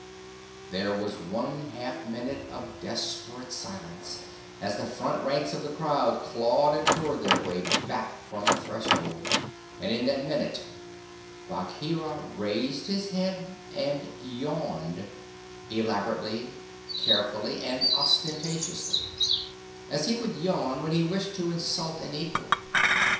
There was one half minute of desperate silence, as the front ranks of the crowd clawed and tore their way back from the threshold, and in that minute Bagheera raised his head and yawned elaborately, carefully, and ostentatiously as he would yawn when he wished to insult an equal.